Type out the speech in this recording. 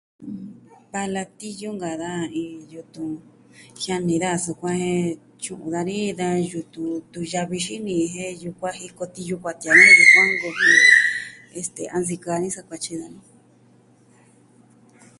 Palatiyu nka'an daja iin yutun, jiani daja sukuan jen tyu'un dani da yutun tunyavi xini jin jen yukuan jiko tiyu kuatee dani jen yukuan nkuvi, este a nsikɨ dani sa kuatyi dani.